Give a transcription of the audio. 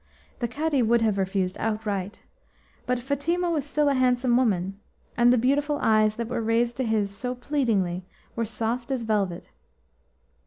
The Cadi would have refused outright, but Fatima was still a handsome woman, and the beautiful eyes that were raised to his so pleadingly were soft as velvet.